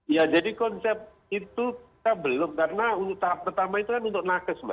ya jadi konsep itu kita belum karena untuk tahap pertama itu kan untuk nakes mbak